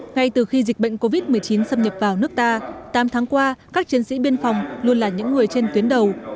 ngay từ khi dịch bệnh covid một mươi chín xâm nhập vào nước ta tám tháng qua các chiến sĩ biên phòng luôn là những người trên tuyến đầu